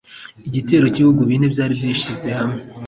igitero cy’ibihugu bine byari byishyize hamwe